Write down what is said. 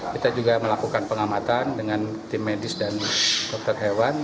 kita juga melakukan pengamatan dengan tim medis dan dokter hewan